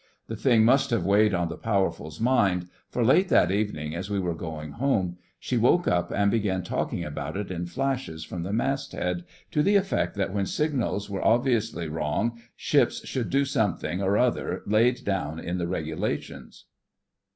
The thing must have weighed on the Powerful's mind, for late that evening, as we were going home, she woke up and began talking about it in flashes from the mast head, to the effect that when signals were obviously wrong ships should do something or other laid down in the Regulations.